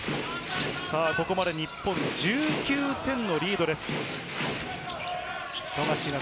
ここまで日本、１９点のリードです。